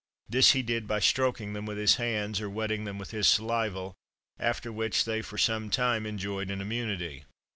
This he did by stroking them with his hands, or wetting them with his saliva, after which they for some time enjoyed an immunity.